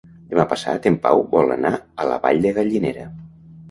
Demà passat en Pau vol anar a la Vall de Gallinera.